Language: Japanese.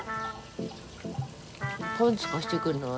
パンツ貸してくれない？